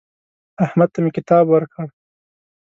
احمد ته مې کتاب ورکړ.